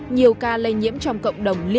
nhiều ca lây nhiễm trong cộng đồng